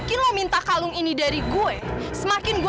kameisha jangan tolong